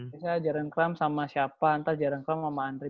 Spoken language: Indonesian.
biasanya jaren kram sama siapa nanti jaren kram sama andre